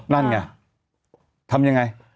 นั่นไงทำยังไง